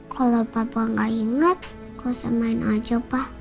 kalau papa gak ingat kau semain aja pa